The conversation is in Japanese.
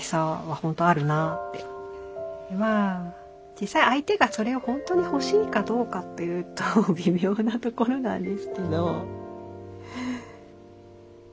実際相手がそれを本当に欲しいかどうかっていうと微妙なところなんですけど。